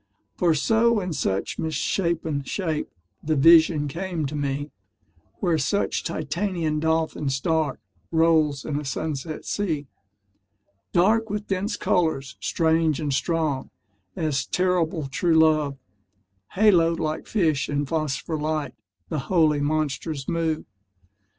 For so in such misshapen shape The vision came to me, Where such titanian dolphins dark Roll in a sunset sea: Dark with dense colours, strange and strong As terrible true love, Haloed like fish in phospher light The holy monsters move.